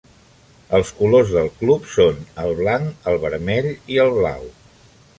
Els colors del club són el blanc, el vermell i el blau.